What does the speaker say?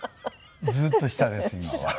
ずっと下です今は。